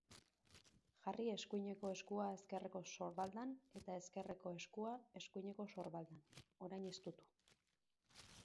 Jarri eskuineko eskua ezkerreko sorbaldan eta ezkerreko eskua eskuineko sorbaldan, orain estutu.